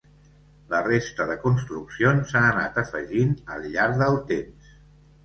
La resta de construccions s'han anat afegint al llarg del temps.